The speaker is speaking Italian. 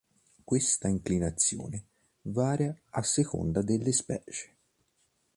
Questa inclinazione varia a seconda delle specie.